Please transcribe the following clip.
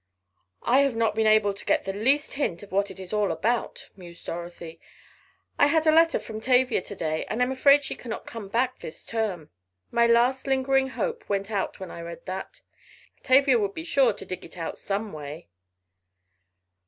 "I have not been able to get the least hint of what it was all about," mused Dorothy. "I had a letter from Tavia to day, and I'm afraid she cannot come back this term. My last lingering hope went out when I read that. Tavia would be sure to dig it out someway."